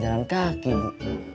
jalan kaki bu